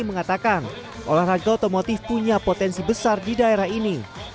mengatakan olahraga otomotif punya potensi besar di daerah ini